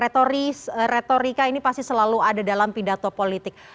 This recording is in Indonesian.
retoris retorika ini pasti selalu ada dalam pidato politik